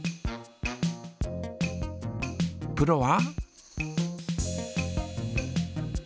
プロは？